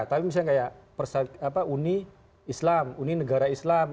tapi misalnya kayak uni islam uni negara islam